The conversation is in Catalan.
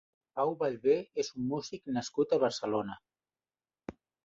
Pau Vallvé és un músic nascut a Barcelona.